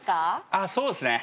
あっそうっすね。